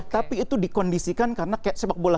tapi itu dikondisikan karena kayak sepak bola